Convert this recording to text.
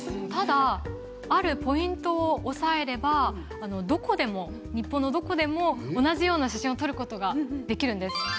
あるポイントを押さえれば日本のどこでも同じような写真を撮ることができるんです。